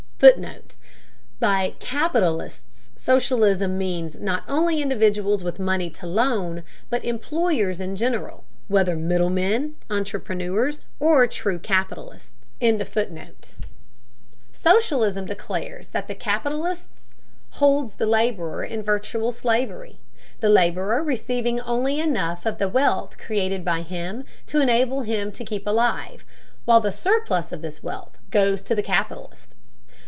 [Footnote: By "capitalists" socialism means not only individuals with money to loan, but "employers" in general, whether middlemen, entrepreneurs, or true capitalists. ] Socialism declares that the capitalist holds the laborer in virtual slavery, the laborer receiving only enough of the wealth created by him to enable him to keep alive, while the surplus of this wealth goes to the capitalist.